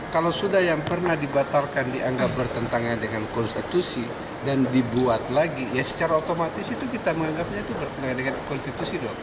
kalau sudah yang pernah dibatalkan dianggap bertentangan dengan konstitusi dan dibuat lagi ya secara otomatis itu kita menganggapnya itu bertentangan dengan konstitusi dong